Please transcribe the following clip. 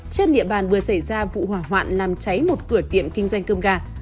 trên địa bàn vừa xảy ra vụ hỏa hoạn làm cháy một cửa tiệm kinh doanh cơm gà